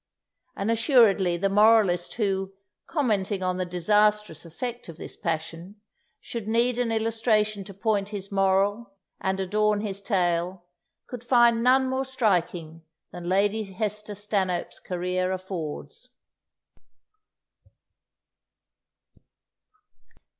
And assuredly the moralist who, commenting on the disastrous effect of this passion, should need an illustration to point his moral and adorn his tale, could find none more striking than Lady Hester Stanhope's career affords.